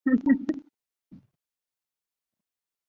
臧儿是西汉初燕王臧荼的孙女。